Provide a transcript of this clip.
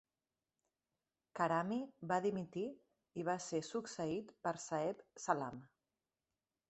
Karami va dimitir i va ser succeït per Saeb Salam.